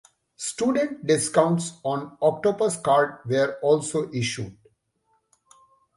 Student discounts on Octopus Card were also issued.